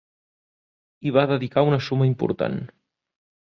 Hi va dedicar una suma important.